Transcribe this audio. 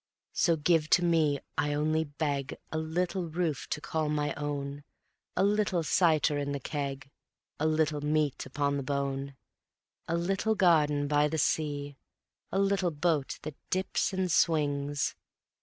So give to me, I only beg, A little roof to call my own, A little cider in the keg, A little meat upon the bone; A little garden by the sea, A little boat that dips and swings